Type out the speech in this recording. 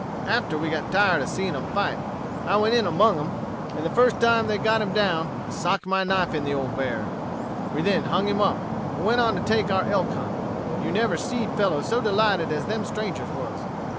After we got tired seeing 'em fight, I went in among 'em, and the first time they got him down I socked my knife in the old bear. We then hung him up, and went on to take our elk hunt. You never seed fellows so delighted as them strangers was.